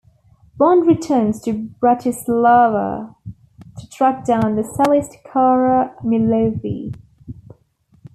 Bond returns to Bratislava to track down the cellist, Kara Milovy.